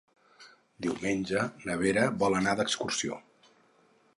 Diumenge na Vera vol anar d'excursió.